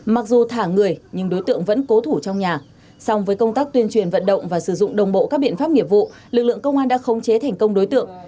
mặc dù thả người nhưng đối tượng vẫn cố thủ trong nhà song với công tác tuyên truyền vận động và sử dụng đồng bộ các biện pháp nghiệp vụ lực lượng công an đã khống chế thành công đối tượng